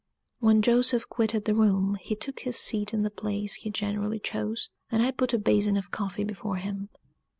When Joseph quitted the room, he took his seat in the place he generally chose, and I put a basin of coffee before him.